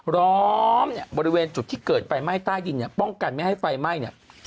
ล้อมเนี่ยบริเวณจุดที่เกิดไฟไหม้ใต้ดินเนี่ยป้องกันไม่ให้ไฟไหม้เนี่ย